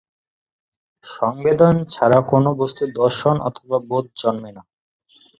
সংবেদন ছাড়া কোন বস্তুর দর্শন অথবা বোধ জন্মে না।